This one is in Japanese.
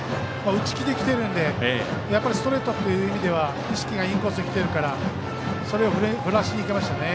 打ち気で来てるのでストレートっていう意味では意識がインコースできてるからそれを振らせに行きましたね。